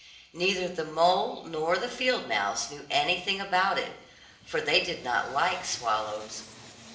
Neither the mole nor the field mouse knew anything about it, for they did not like swallows.